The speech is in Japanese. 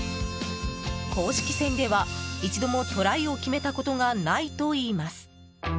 公式戦では一度もトライを決めたことがないといいます。